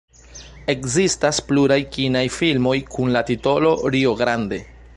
Ekzistas pluraj kinaj filmoj kun la titolo "Rio Grande".